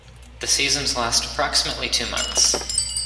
The seasons last approximately two months.